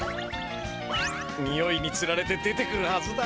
においにつられて出てくるはずだ。